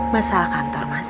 masalah kantor mas